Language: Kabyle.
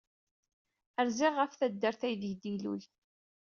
Rziɣ ɣef taddart aydeg d-ilul.